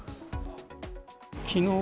きのう